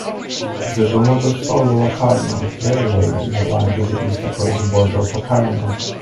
The Domodossola-Locarno railway is a line to the east across the border to Locarno.